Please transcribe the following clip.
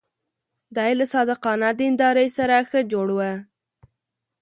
دی له صادقانه دیندارۍ سره ښه جوړ و.